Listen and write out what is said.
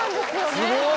すごい。